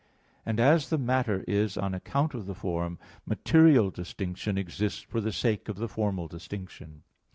And as the matter is on account of the form, material distinction exists for the sake of the formal distinction.